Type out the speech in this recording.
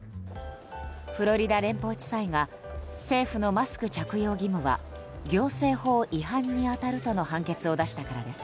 フロリダ連邦地裁が政府のマスク着用義務は行政法違反に当たるとの判決を出したからです。